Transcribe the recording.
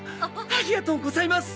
ありがとうございます！